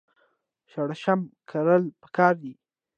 شړشم کرل پکار دي.